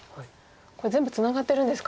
これ全部ツナがってるんですか。